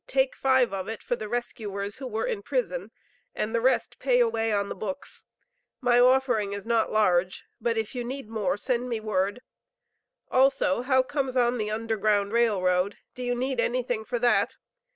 Take five of it for the rescuers (who were in prison), and the rest pay away on the books. My offering is not large; but if you need more, send me word. Also how comes on the Underground Rail Road? Do you need anything for that?